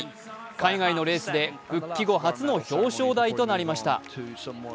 海外のレースで復帰後初の表彰台となりました。